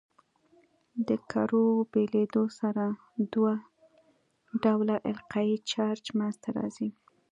د کرو بېلېدو سره دوه ډوله القایي چارج منځ ته راځي.